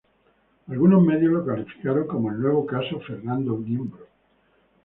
Algunos medios lo calificaron como el nuevo Caso Fernando Niembro.